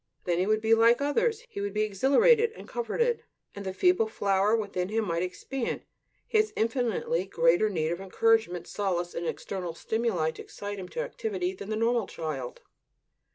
Then he would be like others, he would be exhilarated and comforted; and the feeble flower within him might expand. He has infinitely greater need of encouragement, solace, and external stimuli to excite him to activity than the normal child.